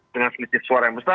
dengan selisih suara yang besar